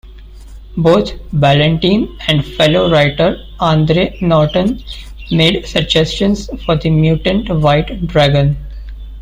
Both Ballantine and fellow writer Andre Norton made suggestions for the mutant white dragon.